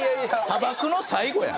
砂漠の最後やん。